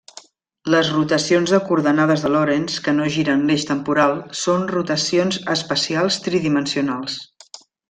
Les rotacions de coordenades de Lorentz que no giren l'eix temporal són rotacions espacials tridimensionals.